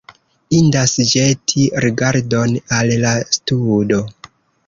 Indas ĵeti rigardon al la studo.